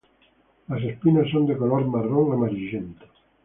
Las espinas son de color marrón amarillento.